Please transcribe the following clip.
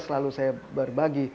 selalu saya berbagi